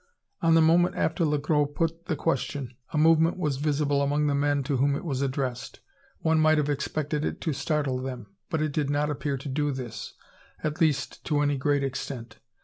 On the moment after Le Gros had put the question, a movement was visible among the men to whom it was addressed. One might have expected it to startle them; but it did not appear to do this, at least, to any great extent.